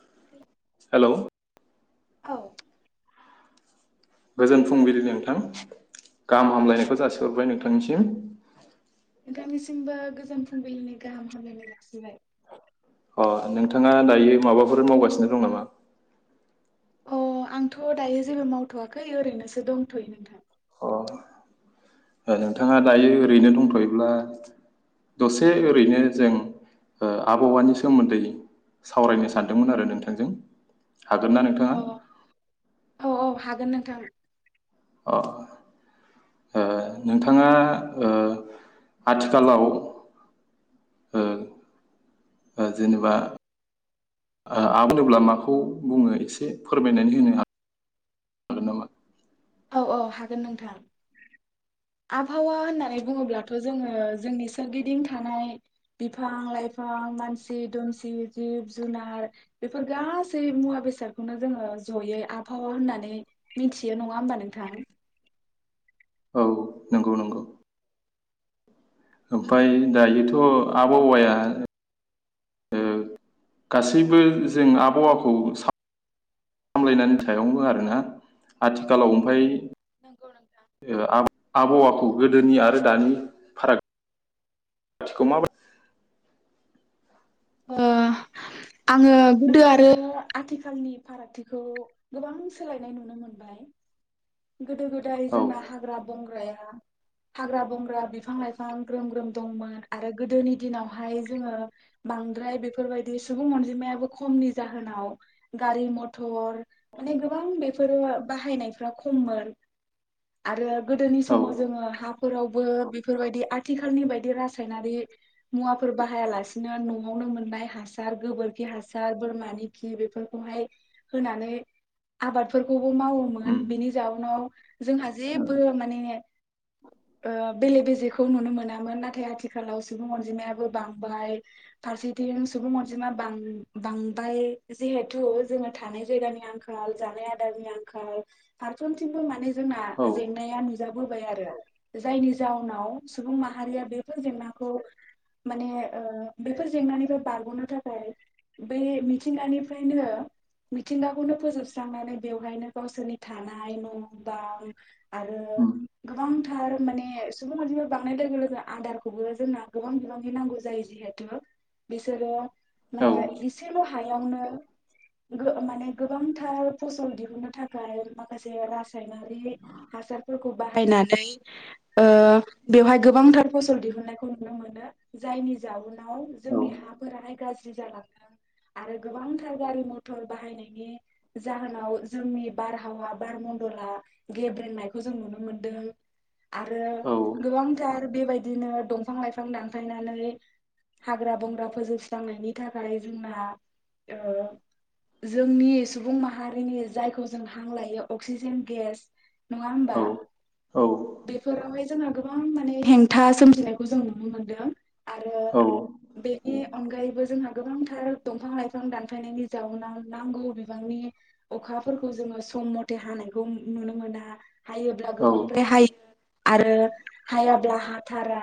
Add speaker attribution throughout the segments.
Speaker 1: [inaudible]
Speaker 2: Hello.
Speaker 1: औ।
Speaker 2: गोजोन फुंबिलि नोंथां गाहाम हामलायनायखौ जासिहरबाय नोंथांनिसिम।
Speaker 1: नोंथांनिसिमबो गोजान फुंबिलिनि गाहाम हामलायनाय जासिबाय।
Speaker 2: अ नोंथाङा दायो माबाफोर मावगासिनो दं नामा?
Speaker 1: अ आंथ दायो जेबो मावथवाखै ओरैनोसो दंथयो नोंथां।
Speaker 2: अ नोंथाङा दायो ओरैनो दंथयोब्ला दसे ओरैनो जों ओ आबहावानि सोमोन्दै सावरायनो सानदोंमोन आरो नोंथांजों। हागोन ना नोंथाङा
Speaker 1: अ औ औ हा गोन नोंथां।
Speaker 2: अ ओ नोंथाङा ओ आथिखालाव ओ ओ जेनेबा ओ [inaudible] होनोब्ला माखौ बुङो एसे फोरमायनानै होनो हा हागोन नामा?
Speaker 1: औ औ हागोन नोंथां आबहावा होननानै बुङोब्लाथ' जोङो जोंनि सोरगिदिं थानाय बिफां लाइफां मानसि दुमसि जिब जुनार बेफोर गासै मुवा बेसादखौनो जोङो जयै आबहावा होननानै मिथियो नङा होमबा नों नोंथां।
Speaker 2: औ।
Speaker 1: औ
Speaker 2: ओमफाय दायोथ' आबहावाया गासैबो जों आबहावाखौ साम-लायनायनि सायावबो आरोना आथिखालाव ओमफाय
Speaker 1: नोंगौ नोंथां।
Speaker 2: आबहावाखौ गोदोनि आरो दानि फाराग-थिखौ माबायदि
Speaker 1: ओ आङो गोदो आरो आथिखालनि फारागथिखौ गोबां सोलायनाय नुनो मोनबाय। गोदो गोदाय
Speaker 2: औ
Speaker 1: जोंना हाग्रा बंग्राया हाग्रा-बंग्रा, बिफां-लाइफां ग्रोम ग्रोम दंमोन आरो गोदोनि दिनावहाय जोङो बांद्राय बेफोरबायदि सुबुं अनजिमायाबो खमनि जाहोनाव गारि मथर माने गोबां बेफोरो बाहायनायफ्रा ख खममोन आरो गोदोनि
Speaker 2: औ
Speaker 1: समाव जोङो हा फोरावबो बेफोरबायदि आथिखालनि बायदि रासायनारि मुवाफोर बाहायालासिनो न'आवनो मोननाय हासार गोबोरखि हासार बोरमानि खि बेफोरखौहाय होनानै आबादफोरखौ
Speaker 2: उम
Speaker 1: मावोमोन बिनि नाव जोंहा जेबो माने ओ बेले बेजेखौ नुनो मोनामोन नाथाय आथिखालाव सुबुं अनजिमायाबो बांबाय फारसेथिं सुबुं अनजिमा बां बांबाय जिहेथु जोङो थानाय जायगानि आंखाल जानाय आदारनि आंखाल फारफ्रोमथिंबो माने जोंना
Speaker 2: औ
Speaker 1: जेंनाया नु नुजा बोबाय आरो जायनि जाउनाव सुबुं माहारिया बेफोर जेंनाखौ माने ओ बेफोर जेंनानिफ्राय बारग'नो थाखाय बे मिथिंगानिफ्रायनो मिथिंगाखौनो फोजोबस्रांनानै बेवहायनो गावसोरनि थानाय न'-बां
Speaker 2: उम।
Speaker 1: थार माने सुबुं अनजिमा बांनाय लोगो लोगो आदारखौबो जोंना गोबां बिबांनि नांगौ जायो जिहेथु बिसोरो
Speaker 2: औ
Speaker 1: माने इसेल' हायावनो गो माने गोबांथार फसल दिहुनो थाखाय माखासे रासाय सायनारि हासार फोरखौ बाहायनानै ओ बेवहाय गोबांथार फसल दिहुनन्नायखौ नुनो मोनो जायनि जाउनाव जोंनि हाफोराहाय गाज्रि जालांङो आरो गोबांथार गारि मथर बाहायनायनि जाहोनाव जोंनि बार बार मन्दला गेब्रेंनायखौ जों नुनो मोनदों। आरो
Speaker 2: औ औ
Speaker 1: गोबांथार बेबायदिनो दंफां-लाइफां दानफायनानै हाग्रा-बंग्रा फोजोबस्रांनायनि थाखाय जोंना ओ जोंनि सुबुं माहारिनि जायखौ जों हां लायो अक्सिजेन गेस नङा होमबा
Speaker 2: औ
Speaker 1: बेफोरावहाय जोंहा गोबां माने हेंथा सोमजिनायखौ जों नुनो मोनदों। आरो
Speaker 2: औ
Speaker 1: बेनि अनगायैबो जोंहा गोबांथार दंफां लाइफां दानफायनायनि जाउनाव नांगौ बिबांनि अखाफोरखौ जोङो सम मथे हानायखौ नुनो मोना। हायोब्ला
Speaker 2: औ
Speaker 1: गोबांद्राय हायो। आरो हायाब्ला हाथारा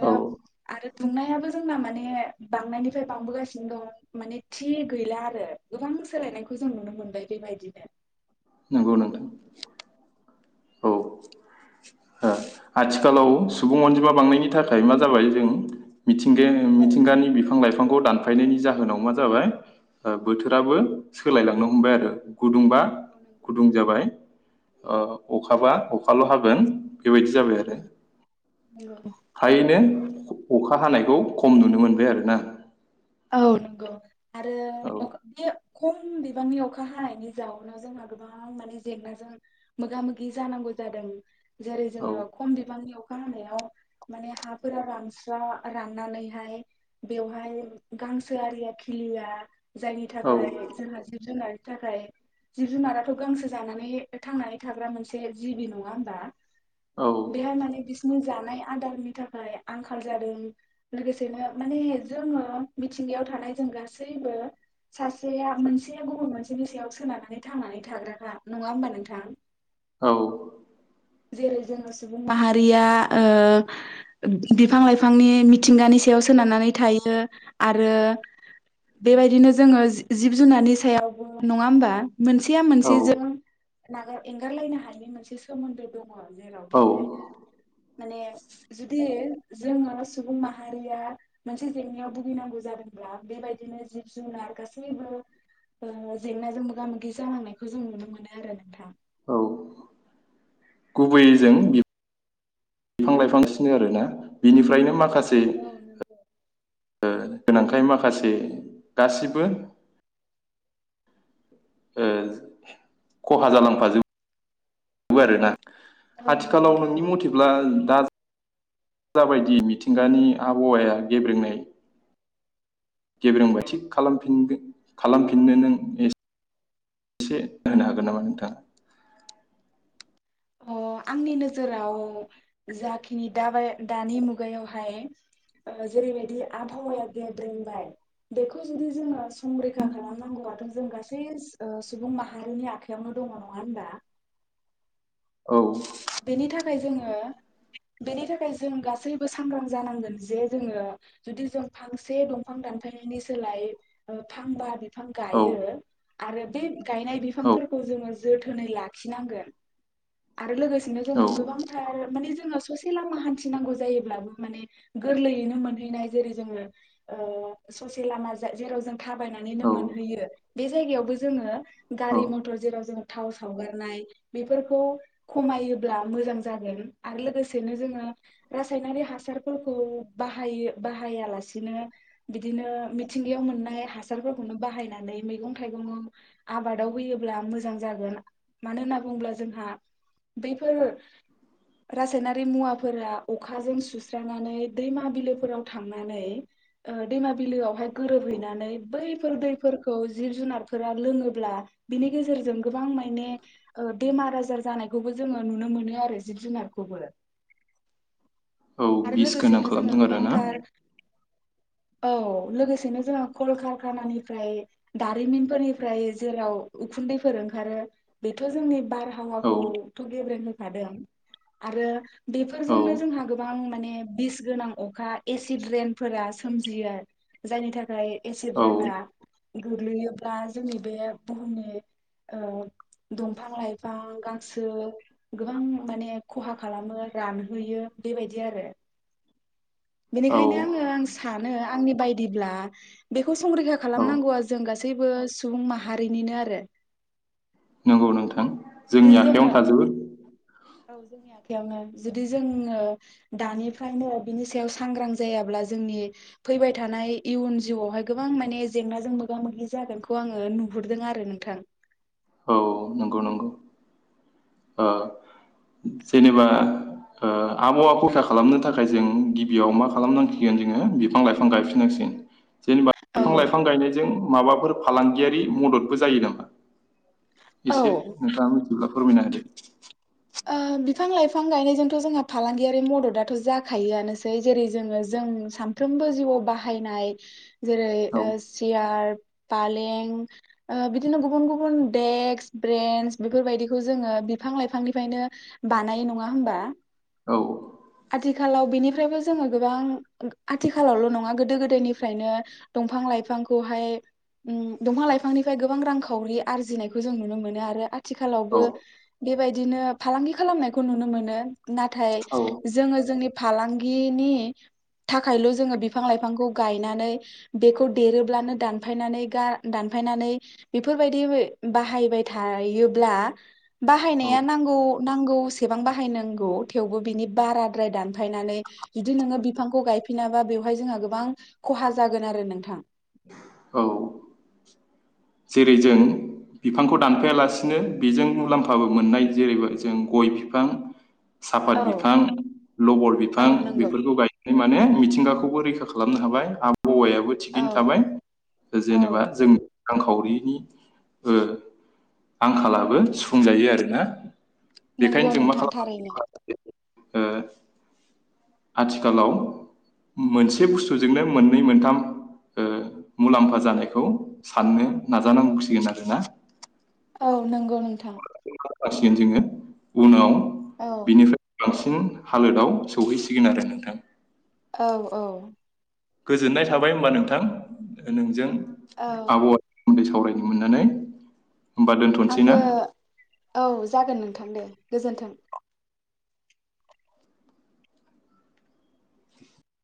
Speaker 2: औ
Speaker 1: आरो दुंनायाबो जोंना माने बांनायनिफ्राय बांबोगासिनो दं माने थि गैला आरो गोबां सोलायनायखौ जों नुनो मोनबाय बेबायदिनो।
Speaker 2: नंगौ नोंथां। औ ओ आथिखालाव सुबुं अनजिमा बांनायनि थाखाय मा जाबाय जों मिथिंगायानो
Speaker 1: औ
Speaker 2: मिथिंगानि बिफां लाइ बिफांखौ दानफायनायनि जाहोनाव मा जाबाय ओ बोथोराबो सोलायलांनो हमबाय आरो। गुदुंबा
Speaker 1: नंगौ
Speaker 2: गुदुं जाबाय। औ। अखाबा अखाल' हागोन। बेबायदि जाबाय आरो
Speaker 1: उम नंगौ।
Speaker 2: थायैनो अख अखा हानायखौ खम नुनो मोनबाय आरो ना।
Speaker 1: औ नंगौ। आरो अख इयो खम बिबांनि अखा हानायनि जाउनाव जोंहा गोबां माने जेंनाजों मोगा मोगि जानांगौ जादों। जेरै
Speaker 2: औ
Speaker 1: जोङो खम बिबांनियाव अखा हायाव माने हाफोरा रानस्रा राननानैहाय बेवहाय गांसो आरिया खिलिया जायनि थाखाय जोंहा जिब जुनार थाखाय जिब जुनाराथ' गांसो जानानै थांनानै थाग्रा मोनसे जिबि नङा होमबा
Speaker 2: औ
Speaker 1: बिहाय माने बिसिनि जा थानाय आदारनि थाखाय आंखाल जादों लोगोसेनो माने जोङो मिथिंगायाव थानाय जों गासैबो सासेया मोनसे गुबुन मोनसेनि सायाव सोनारनानै थांनानै थाग्राखा नङा होमबा नोंथां?
Speaker 2: औ।
Speaker 1: जेरै जोङो सुबुं माहारिया ओ बिफां लाइफांनि मिथिंगानि सायाव सोनारनानै थायो आरो बेबायदिनो जोङो जिब जुनारनि सायावबो नङा होमबा? मोनसेया
Speaker 2: औ
Speaker 1: मोनसेजों। नागार एंगारलायनो हानाय मोनसे सोमोन्दो दङ जेराव
Speaker 2: औ
Speaker 1: बेनिखायनो माने जुदि जोङो सुबुं माहारिया मोनसे जेंनायाव भुगिनांगौ जादोंब्ला बेबायदिनो जिब जुनार गासैबो ओ जेंनाजों मोगा मोगि जानांनायखौ जों नुनो मोनो आरो नोंथां।
Speaker 2: औ गुबैयैजों बि बिफां लाइफां सिनो आरो ना बिनिफ्रायनो माखासे
Speaker 1: औ नंगौ।
Speaker 2: ओ गोनांखाय माखासे गासिबो ओ खहा जालांफाजोब नंगौ आरो ना।
Speaker 1: औ नंगौ
Speaker 2: आथिखालाव
Speaker 1: नंगौ
Speaker 2: नोंनि मथेब्ला दा जाबायदि मिथिंगानि आबहावाया गेब्रेंनाय गेब्रेंबाय थिग खालामफिनगोन खालामफिननो नों एसे होनो हागोन नामा नोंथाङा?
Speaker 1: अ आंनि नोजोराव जाखिनि दाबाय दानि मुगायावहाय ओ जेरैबायदि आबहावाया गेब्रेंबाय बेखौ जुदि जोङो संरैखा खालामनांगौबथ' जों गासै ओ सुबुं माहारिनि आखायावनो दङ नङा होनबा?
Speaker 2: औ।
Speaker 1: बेनि थाखाय जोङो बेनि थाखाय जों गासैबो सांग्रां जानांगोन जे जोङो जुदि जों फांसे दंफां दानफायनायनि सोलाय फांबा बिफां
Speaker 2: औ
Speaker 1: गायो आरो बे गायनाय
Speaker 2: औ
Speaker 1: बिफांफोरखौ जोङो जोथोनै लाखिनांगोन आरो लोगोसे दिनो जोंनो
Speaker 2: औ
Speaker 1: गोबांथार माने जों जोङो ससे लामा हान्थिनांगौ जायोब्लाबो माने गोरलैयैनो मोनहैनाय जेरै जोङो अ ससे लामा जा जेराव जों थाबायनानैनो
Speaker 2: औ
Speaker 1: मोनहैयो। बे जायगायावबो जोङो।
Speaker 2: औ
Speaker 1: गारि मटर जेराव जों थाव सावगारनाय बेफोरखौ खमायो ब्ला मोजां जागोन आरो लोगोसेनो जोङो रासायनारि हासारफोरखौ बाहायो बाहायालासे बिदिनो बिदिनो मिथिंगायाव मोननाय हासारफोरख खौनो बाहायनानै मैगं थाइगंआव आबादाव होयोब्ला मोजां जागोन मानोना बुंब्ला जोंहा बे-' बेफोर रासायनारि मुवाफोरा अखाजों सुस्रानानै दैमा बिलोफोराव थांनानै ओ दैमा बिलोआवहाय गोरोबहैनानै बैफोर दैफोरखौ जिब जुनारफोरा लोङोब्ला बिनि गेजेरजों गोबां माइने ओ बेमार आजार जानायखौबो। जोङो नुनो मोनो आरो जिब जुनारखौबो
Speaker 2: औ
Speaker 1: आरो
Speaker 2: बिस गोनां
Speaker 1: लोगोसेनो जोंङो
Speaker 2: खालामदों आरोना
Speaker 1: गोबांथार-'- औ लोगोसेनो जोंहा कलकारखानानिफ्राय दारिमिनफोरनिफ्राय जेराव उखुन्दैफोर ओंखारो बेथ' जोंनि बार
Speaker 2: औ
Speaker 1: हावाखौ। गेब्रें होफादों आरो
Speaker 2: औ
Speaker 1: बेफोरजोंनो जोंहा गोबां माने बिस गोनां अखा एसिड रेनफोरा सोमजियो जायनि थाखाय एसिड
Speaker 2: औ
Speaker 1: होना गोग्लैयोब्ला जोंनि बे बुहुमनि ओ दंफां लाइफां गांस ओ गोबां माने खहा खालामो रानहोयो बेबायदि आरो।
Speaker 2: औ
Speaker 1: बेनिखायनो आङो आं सानो आंनि बायदिब्ला बेखौ संरैखा
Speaker 2: औ
Speaker 1: खालामनांगौआ जों गासैबो सुबुं माहारिनिनो आरो।
Speaker 2: नंगौ नोंथा। थां
Speaker 1: जुदि
Speaker 2: जोंनि आखाइयावनो
Speaker 1: जोङो औ
Speaker 2: थाजोबो।
Speaker 1: औ जोंनि आखयावनो जुदि जोङो दानिफ्रायनो बिनि सायाव सांग्रां जायाब्ला जोंनि फैबाय थानाय इयुन जिउआवहाय गोबां माने जेंनाजों मोगा मोगि जागोनखौ आङो नुहुरदों आरो नोंथां।
Speaker 2: औ नंगौ नंगौ ओ जेनेबा ओ आबहावा खरसा खालामनो थाखाय जों गिबियाव मा खालामनांसिगोन जोङो बिफां लाइफां गायफिनांसि जेनेबा
Speaker 1: औ
Speaker 2: बिफां लाइफां गायनायजों माबाफोर फालांगियारि मददबो जायो नामा?
Speaker 1: औ
Speaker 2: एसे नोंथां मिथि फोरमायना होदो। [inaudible]
Speaker 1: अ बिफां लाइफां गायनायजोंथ' जोंहा फालांगियारि मददाथ' जाखायोआनोसै जेरै जोङो जों सानफ्रोमबो जिउआव बाहायनाय जेरै
Speaker 2: होदो
Speaker 1: सियार। पालें ओ बिदिनो गुबुन गुबुन देक्स ब्रेन्स बेफोर बायदिखौ जोङो बिफां लाइफांनि फ्रायायनो बानायो नङा होमबा?
Speaker 2: औ
Speaker 1: आथिखालाव बेनिफ्रायबो जोङो गोबां आथिखालावल' नङा गोदो गोदायनिफ्रायनो दंफां लाइफांखौहाय ओम दंफां लाइफांनिफ्राय गोबां रांखावरि आरजिनायखौ जों नुनो मोनो आरो आथ
Speaker 2: औ
Speaker 1: थिखालावबो बेबायदि फालांगि खालामनायखौ नुनो मोनो। नाथाय
Speaker 2: औ
Speaker 1: जोङो जोंनि फालांग नि बे थाखायल' जोङो बिफां लाइफांखौ गायनानै बेखौ देरोब्लानो दानफायनानै गा दानफायनानै बेफोरबायदि बाहायबाय थायोब्ला
Speaker 2: औ
Speaker 1: [unintelligible] नांगौ नांगौ जेसेबां बाहायनांगौ थेवबो बिनि बाराद्राय दानफायनानै जुदि नोङो बिफांखौ गायफिनाबा बेवहाय जोंहा गोबां खहा जागोन आरो नोंथां।
Speaker 2: औ जेरै जों बिफांखौ दानफायालासिनो बेजों मुलाम्फाबो मोननाय जेरै जों गय बिफां, साफात
Speaker 1: औ
Speaker 2: बिफां, लबर
Speaker 1: औ
Speaker 2: बिफां
Speaker 1: नंगौ
Speaker 2: बेफोरखौ गाय माने मिथिंगाखौबो रैखा खालामनो हाबाय बा गयाबो
Speaker 1: औ
Speaker 2: थिगैनो थाबाय
Speaker 1: औ
Speaker 2: जेनेबा जों रांखावरिनि ओ आंखालाबो सुफुंजायो आरोना? बेखायनो
Speaker 1: नंगौ
Speaker 2: जों मा
Speaker 1: नोंथां
Speaker 2: खालामो
Speaker 1: थारैनो।
Speaker 2: ओ आथिखालाव मोनसे बुस्थुजोंनो मोननै मोनथाम ओ मुलाम्फा जानायखौ साननो नाजानांगौसिगोन आरोना।
Speaker 1: औ नंगौ नोंथां।
Speaker 2: जासिगोन जोङो उनाव
Speaker 1: औ
Speaker 2: बिनिफ्राय बांसिन हालोदाव सौहैसिगोन आरो नोंथां।
Speaker 1: औ औ
Speaker 2: गोजोननाय थाबाय होनोमबा नोंथां नोंजों
Speaker 1: ओं
Speaker 2: नोंजों सावरायनो मोननानै। होमबा दोनथ'नोसै
Speaker 1: आंबो
Speaker 2: ना
Speaker 1: औ जागोन नोंथां दे। गोजोन्थों।